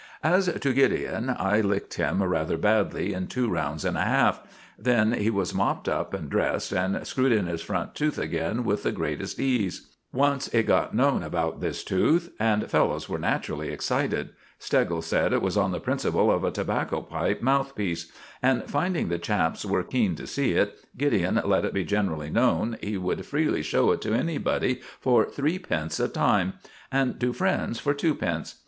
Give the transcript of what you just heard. As to Gideon, I licked him rather badly in two rounds and a half. Then he was mopped up and dressed, and screwed in his front tooth again with the greatest ease. Once it got known about this tooth, and fellows were naturally excited. Steggles said it was on the principle of a tobacco pipe mouthpiece; and, finding the chaps were keen to see it, Gideon let it be generally known he would freely show it to anybody for threepence a time, and to friends for twopence.